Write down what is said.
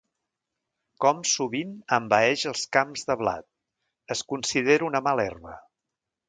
Com sovint envaeix els camps de blat, es considera una mala herba.